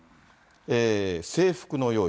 制服の用意。